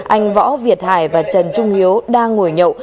anh võ việt hải và trần trung hiếu đang ngồi nhậu